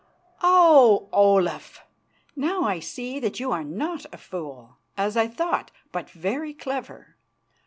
"Oh! Olaf, now I see that you are not a fool, as I thought, but very clever.